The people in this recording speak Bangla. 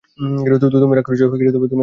তুমি রাগ করেছো?